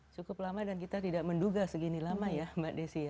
cukup lama dan kita tidak menduga segini lama ya mbak desi ya